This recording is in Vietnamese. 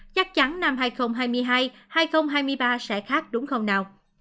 chắc chắn năm hai nghìn hai mươi hai hai nghìn hai mươi ba sẽ khác đúng không nào